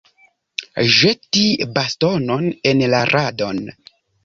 Ĵeti bastonon en la radon.